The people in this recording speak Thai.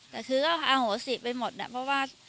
แต่คือก็อโหสิไปหมดนะเพราะว่า